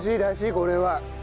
これは。